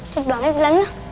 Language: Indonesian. cepet banget di dalamnya